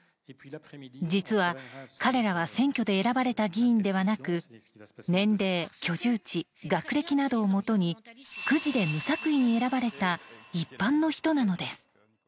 実は彼らは選挙で選ばれた議員ではなく年齢、居住地、学歴などをもとにくじで無作為に選ばれた一般の人なのです。